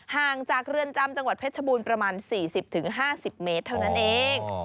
ห่างจากเรือนจำจังหวัดเพชรบูรณ์ประมาณ๔๐๕๐เมตรเท่านั้นเอง